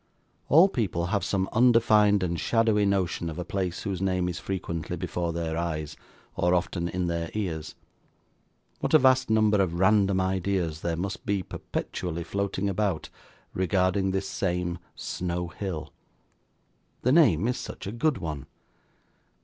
All people have some undefined and shadowy notion of a place whose name is frequently before their eyes, or often in their ears. What a vast number of random ideas there must be perpetually floating about, regarding this same Snow Hill. The name is such a good one.